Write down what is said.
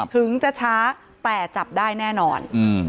ถึงจะช้าแต่จับได้แน่นอน